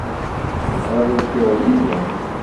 Tebɣiḍ ad dduɣ yid-m?